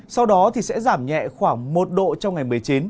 sau đó thì sẽ giảm nhẹ khoảng một độ trong ngày một mươi chín